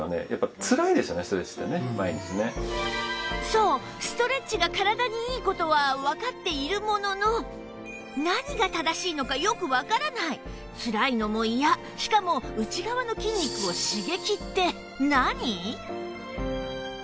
そうストレッチが体にいい事はわかっているものの何が正しいのかよくわからないつらいのも嫌しかも内側の筋肉を刺激って何？